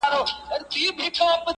د استعمارګر په ارزښتونو کي بدلون راولي